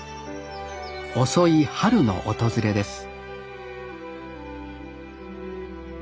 遅い春の訪れです